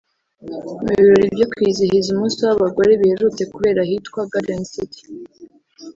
Mu birori byo kwizihiza umunsi w’abagore biherutse kubera ahitwa Garden City